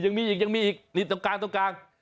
นี่ยังมีอีกตรงกลาง